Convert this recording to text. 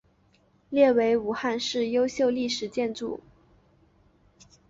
列为武汉市优秀历史建筑。